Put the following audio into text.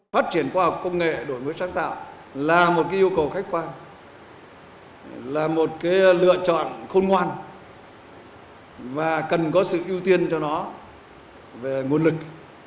phát triển khoa học công nghệ đổi mới sáng tạo là một yêu cầu khách quan là một lựa chọn khôn ngoan và cần có sự ưu tiên cho nó về nguồn lực